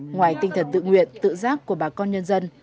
ngoài tinh thần tự nguyện tự giác của bà con nhân dân